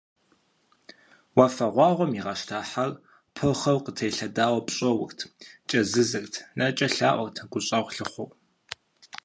Уафэгъуаугъуэм игъэщта хьэр, пырхъуэм къытелъэдауэ пщӏоурт, кӏэзызырт, нэкӏэ лъаӏуэрт гущӏэгъу лъыхъуэу.